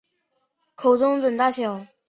口中等大小。